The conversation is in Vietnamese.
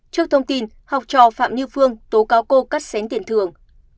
trước thông tin học trò phạm như phương tố cáo cô cắt xén tiền thường